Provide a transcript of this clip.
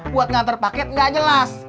buat ngantar paket nggak jelas